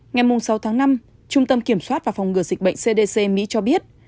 ngày sáu tháng năm trung tâm kiểm soát và phòng ngừa dịch bệnh cdc mỹ cho biết